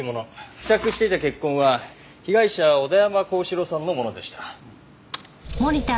付着していた血痕は被害者小田山航志郎さんのものでした。